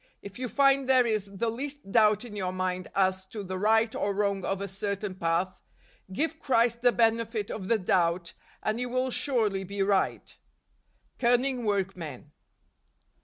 If you find there is the least doubt in your mind as to the right or wrong of a certain path, give Christ the benefit of the doubt and you will surely be right. Cunning Workmen.